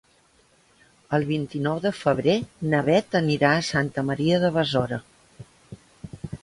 El vint-i-nou de febrer na Bet anirà a Santa Maria de Besora.